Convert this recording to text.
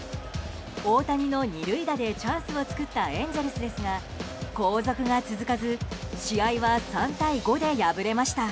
大谷の２塁打でチャンスを作ったエンゼルスですが後続が続かず試合は３対５で敗れました。